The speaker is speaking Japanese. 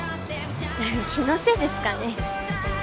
気のせいですかね？